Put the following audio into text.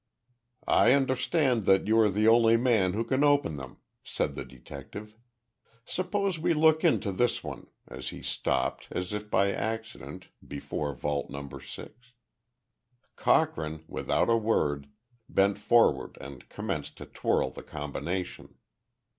"I understand that you are the only man who can open them," said the detective. "Suppose we look into this one," as he stopped, as if by accident, before Vault No. 6. Cochrane, without a word, bent forward and commenced to twirl the combination.